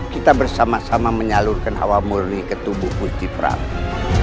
kita bersama sama menyalurkan awamurni ke tubuh pusti pramu